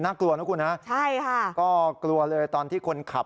กลัวนะคุณฮะใช่ค่ะก็กลัวเลยตอนที่คนขับ